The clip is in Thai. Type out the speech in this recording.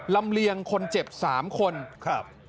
เลียงคนเจ็บสามคนครับ